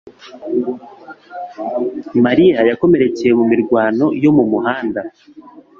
mariya yakomerekeye mu mirwano yo mu muhanda